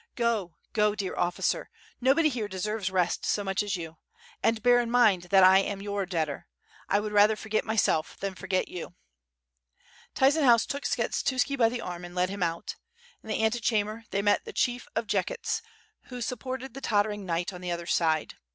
Go, go, dear ofTicer, nobody here deserves rest so much as you. And bear in mind that I am your debtor. I would rather forget myself, than forget you." Tyzenhauz took Skshetuski by the arm and led liim out. In the antechamber they met the Chief of Jechyts, who sup ported the tottering knight on the other side.